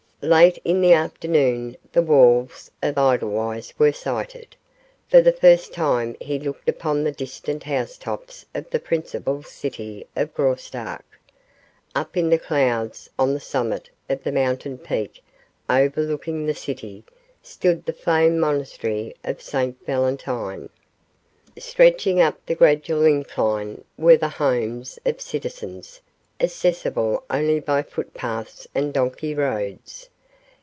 Late in the afternoon the walls of Edelweiss were sighted. For the first time he looked upon the distant housetops of the principal city of Graustark. Up in the clouds, on the summit of the mountain peak overlooking the city, stood the famed monastery of Saint Valentine. Stretching up the gradual incline were the homes of citizens, accessible only by footpaths and donkey roads.